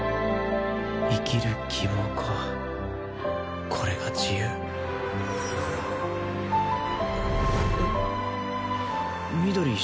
生きる希望かこれが自由えっ？